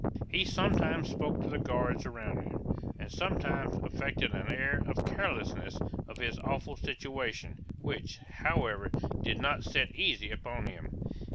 He sometimes spoke to the guards around him, and sometimes affected an air of carelessness of his awful situation, which, however, did not sit easy upon him.